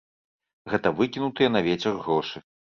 Гэта выкінутыя на вецер грошы.